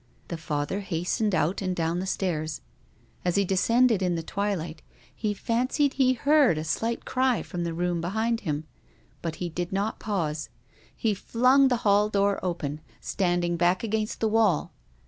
The Father hastened out and down the stairs. As he descended in the twilight he fancied he licard a sMght cry from the room behintl him, but he did not pause. He flung the hall door open, standing back against the wall.